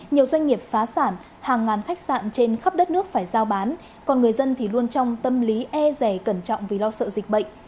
nhiều doanh nghiệp phá sản hàng ngàn khách sạn trên khắp đất nước phải giao bán còn người dân thì luôn trong tâm lý e rè cẩn trọng vì lo sợ dịch bệnh